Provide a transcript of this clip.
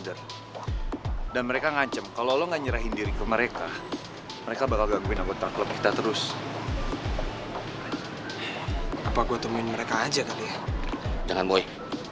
seneng liat nih